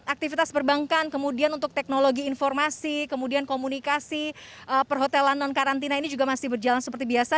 aktivitas perbankan kemudian untuk teknologi informasi kemudian komunikasi perhotelan non karantina ini juga masih berjalan seperti biasa